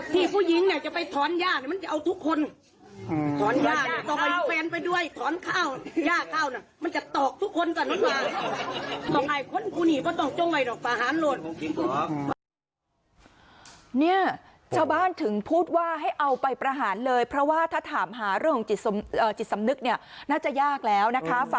ต้องเอาแฟนไปด้วยถอนข้าวย่าข้าวน่ะมันจะตอกทุกคนจากนั้นมา